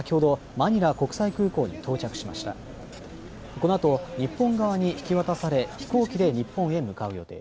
このあと日本側に引き渡され飛行機で日本へ向かう予定です。